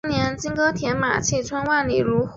后由王熙泰接任。